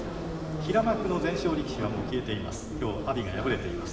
平幕の全勝力士が消えています。